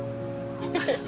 フフフ。